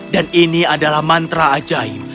dan ini adalah mantra ajaib